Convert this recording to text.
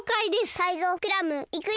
タイゾウクラムいくよ。